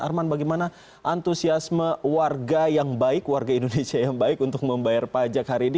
arman bagaimana antusiasme warga yang baik warga indonesia yang baik untuk membayar pajak hari ini